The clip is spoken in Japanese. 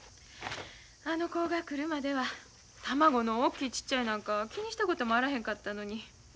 あの子が来るまでは卵の大きいちっちゃいなんか気にしたこともあらへんかったのに。